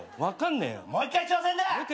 もう一回挑戦だ！